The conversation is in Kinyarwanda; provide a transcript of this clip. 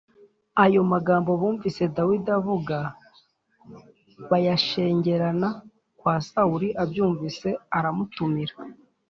Ayo magambo bumvise Dawidi avuga bayashengerana kwa Sawuli, abyumvise aramutumira.